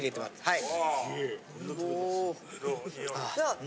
はい。